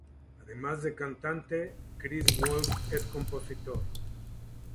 Además de cantante, Chris Wolff es compositor.